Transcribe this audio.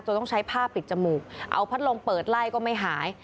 ต้องใช้ผ้าปิดจมูกเอาพัดลมเปิดไล่ก็ไม่หาย